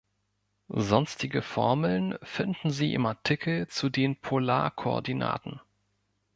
Sonstige Formeln finden Sie im Artikel zu den Polarkoordinaten.